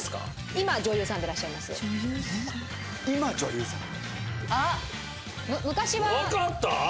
今は今女優さん。